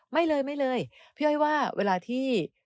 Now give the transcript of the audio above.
ไม่เลยพี่อ้อยว่าเวลาที่